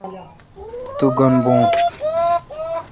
تو گین بھو۔